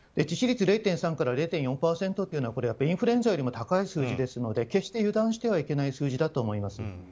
致死率０．３から０．４％というのはインフルエンザよりも高い数字ですので決して油断してはいけない数字だと思います。